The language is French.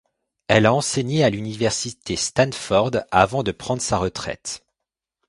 Elle a enseigné à l'université Stanford avant de prendre sa retraite.